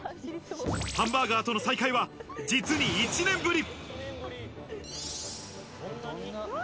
ハンバーガーとの再会は実に１年ぶり。